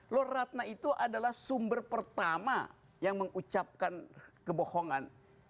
loh ratna itu adalah sumber pertama yang mengucapkan kebohongan